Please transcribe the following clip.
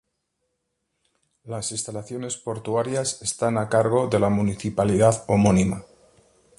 Las instalaciones portuarias están a cargo de la Municipalidad homónima.